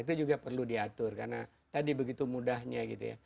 itu juga perlu diatur karena tadi begitu mudahnya gitu ya